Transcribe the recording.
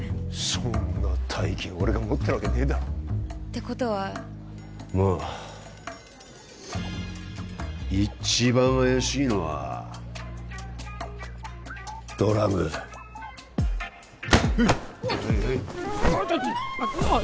そんな大金俺が持ってるわけねえだろてことはまあ一番怪しいのはドラムうわっちょっちょっ